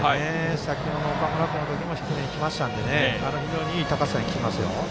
先程の岡村君の時も低めに来ましたので非常にいい高さに来ていますよ。